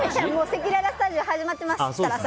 せきららスタジオ始まってますから！